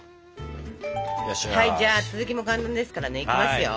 じゃあ続きも簡単ですからねいきますよ。